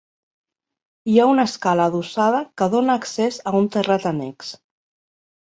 Hi ha una escala adossada que dóna accés a un terrat annex.